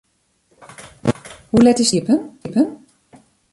Hoe let is de winkel iepen?